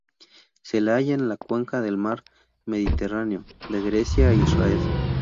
Se la halla en la cuenca del mar Mediterráneo, de Grecia a Israel.